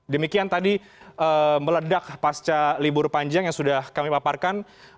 demikian tadi meledak pasca libur panjang yang sudah kami paparkan